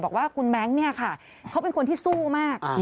บอกว่าคุณแบงค์เนี่ยค่ะเขาเป็นคนที่สู้มาก